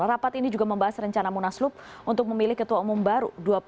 rapat ini juga membahas rencana munaslup untuk memilih ketua umum baru